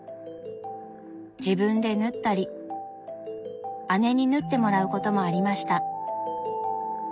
自分で縫ったり姉に縫ってもらうこともありました。